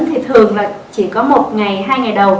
thì thường là chỉ có một ngày hai ngày đầu